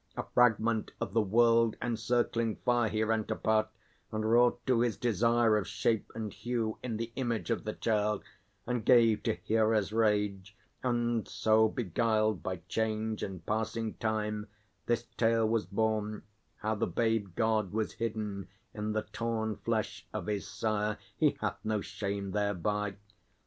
A fragment of the world encircling fire He rent apart, and wrought to his desire Of shape and hue, in the image of the child, And gave to Hera's rage. And so, beguiled By change and passing time, this tale was born, How the babe god was hidden in the torn Flesh of his sire. He hath no shame thereby.